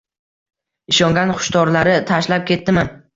Ishongan xushtorlari tashlab ketdimi